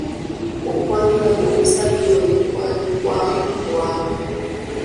Okwanjula kw'omusajja oyo kwali kwa bwangu.